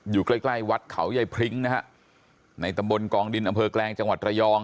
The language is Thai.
อยู่ใกล้ใกล้วัดเขายายพริ้งนะฮะในตำบลกองดินอำเภอแกลงจังหวัดระยอง